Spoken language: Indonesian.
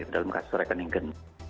dalam kasus rekening gendut